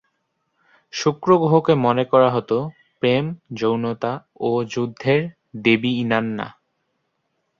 শুক্র গ্রহকে মনে করা হত প্রেম, যৌনতা ও যুদ্ধের দেবী ইনান্না।